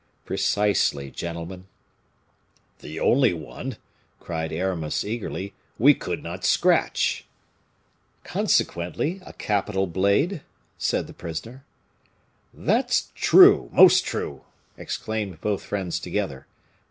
"Precisely, gentlemen." "The only one," cried Aramis, eagerly, "we could not scratch." "Consequently, a capital blade?" said the prisoner. "That's true! most true!" exclaimed both friends together.